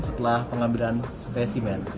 setelah pengambilan spesimen